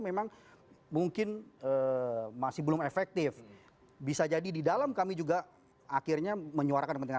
memang mungkin masih belum efektif bisa jadi di dalam kami juga akhirnya menyuarakan kepentingan